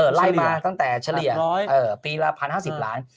ไล่มาตั้งแต่เฉลี่ยปีละ๑๐๕๐ล้าน